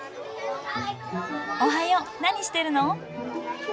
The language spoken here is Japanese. おはよ。何してるの？